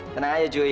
tenang aja juwi